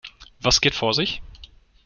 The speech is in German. Was geht vor sich?